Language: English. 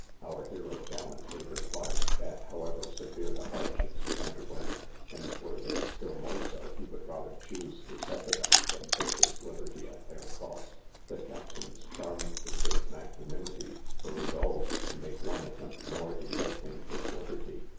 Our hero gallantly replied, that however severe the hardships he underwent, and were they still more so, he would rather choose to suffer them, than purchase liberty at their cost. The captains, charmed with his magnanimity, were resolved to make one attempt more to get him his liberty.